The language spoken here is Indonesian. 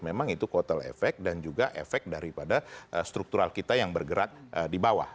memang itu kotel efek dan juga efek daripada struktural kita yang bergerak di bawah